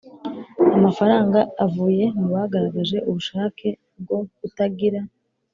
Amafaranga avuye mu bagaragaje ubushake bwo gutagira